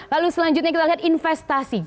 lalu selanjutnya kita lihat investasi